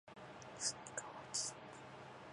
スニーカーを履いて寝ると夢の中でも走っている